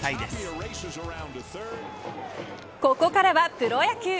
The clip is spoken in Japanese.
ここからはプロ野球。